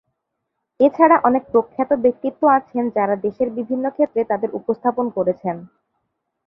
এছাড়া অনেক প্রখ্যাত ব্যক্তিত্ব আছেন যাঁরা দেশের বিভিন্ন ক্ষেত্রে তাদের উপস্থাপন করেছেন।